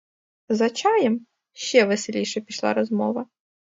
За чаєм ще веселіше пішла розмова.